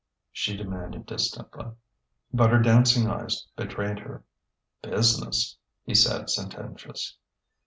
she demanded distantly. But her dancing eyes betrayed her. "Business," he said, sententious.